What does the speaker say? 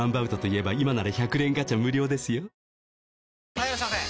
・はいいらっしゃいませ！